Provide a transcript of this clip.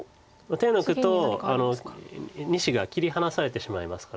手抜くと２子が切り離されてしまいますから。